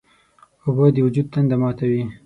اوبه د وجود تنده ماتوي.